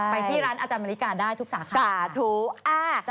ไปที่ร้านอาจารย์บริกายังมีได้ทุกสาขาค่ะสาธุ